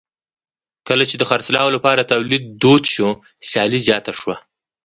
کله چې د خرڅلاو لپاره تولید دود شو سیالي زیاته شوه.